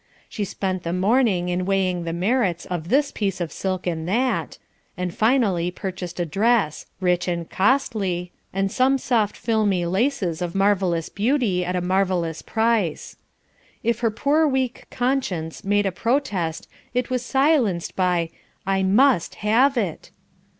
She spent the morning in weighing the merits of this piece of silk and that, and finally purchased a dress, rich and costly, and some soft filmy laces of marvellous beauty at a marvellous price. If her poor weak conscience made a protest it was silenced by "I must have it."